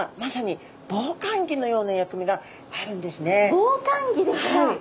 防寒着ですか。